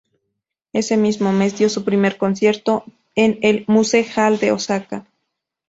Ese mismo mes, dio su primer concierto en el Muse Hall de Osaka.